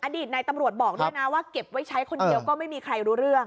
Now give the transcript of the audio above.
ในตำรวจบอกด้วยนะว่าเก็บไว้ใช้คนเดียวก็ไม่มีใครรู้เรื่อง